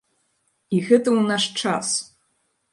І гэта ў наш час!